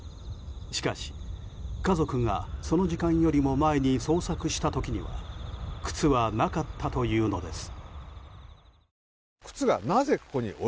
しかし家族が、その時間よりも前に捜索した時には靴はなかったというのです。